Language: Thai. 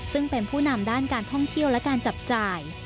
ซึ่งเป็นผู้นำด้านการท่องเที่ยวและการจับจ่าย